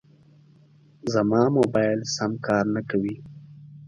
زما موبایل سم کار نه کوي.